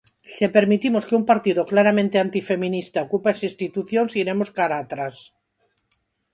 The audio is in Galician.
Se permitimos que un partido claramente antifeminista ocupe as institucións iremos cara a atrás.